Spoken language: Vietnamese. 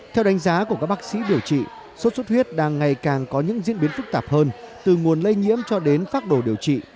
theo đánh giá của các bác sĩ điều trị sốt xuất huyết đang ngày càng có những diễn biến phức tạp hơn từ nguồn lây nhiễm cho đến phác đồ điều trị